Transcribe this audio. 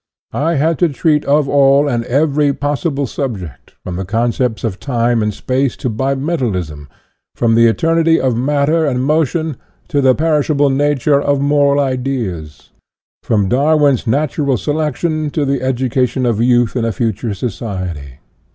I had to treat of all and every possible subject, from the concepts of time and space to Bimetallism; from the eternity of INTRODUCTION 1 1 matter and motion to the perishable nature of moral ideas; from Darwin's natural selection to the education of youth in a future society.